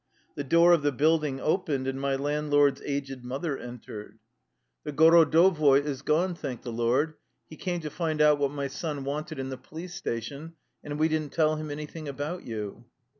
The door of the building opened and my land lord's aged mother entered. 216 THE LIFE STOKY OF A RUSSIAN EXILE " The gorodovoi ^ is gone, thank the Lord. He came to find out what my son wanted in the police station and we didn't tell him anything about you."